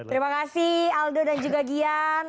terima kasih aldo dan juga gian